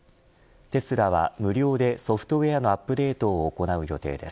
テスラは無料でソフトウェアのアップデートを行う予定です。